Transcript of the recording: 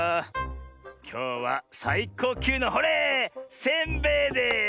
きょうはさいこうきゅうのほれせんべいです！